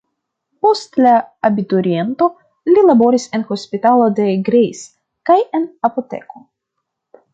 Post la abituriento, li laboris en hospitalo de Greiz kaj en apoteko.